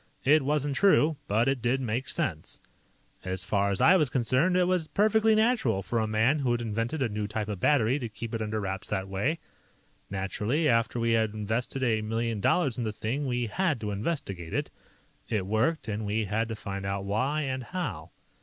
It wasn't true, but it did make sense. "As far as I was concerned, it was perfectly natural for a man who had invented a new type of battery to keep it under wraps that way. "Naturally, after we had invested a million dollars in the thing, we had to investigate it. It worked, and we had to find out why and how."